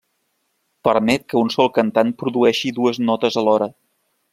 Permet que un sol cantant produeixi dues notes alhora.